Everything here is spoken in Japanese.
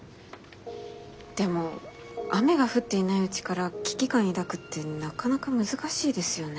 でも雨が降っていないうちから危機感抱くってなかなか難しいですよね。